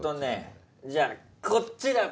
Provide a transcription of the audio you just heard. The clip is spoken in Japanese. じゃあこっちだ。